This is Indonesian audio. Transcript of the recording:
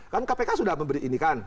kan kpk sudah memberi ini kan